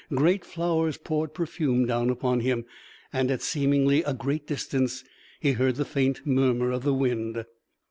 Great flowers poured perfume down upon him, and at seemingly a great distance he heard the faint murmur of the wind.